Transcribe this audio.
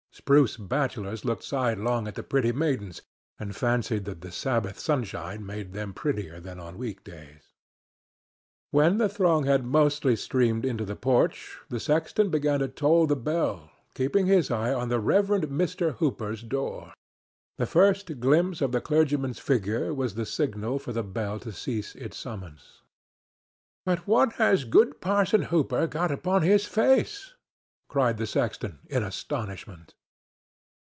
Spruce bachelors looked sidelong at the pretty maidens, and fancied that the Sabbath sunshine made them prettier than on week days. When the throng had mostly streamed into the porch, the sexton began to toll the bell, keeping his eye on the Reverend Mr. Hooper's door. The first glimpse of the clergyman's figure was the signal for the bell to cease its summons. "But what has good Parson Hooper got upon his face?" cried the sexton, in astonishment.